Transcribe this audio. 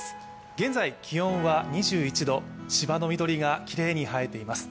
現在、気温は２１度、芝の緑がきれいに映えています。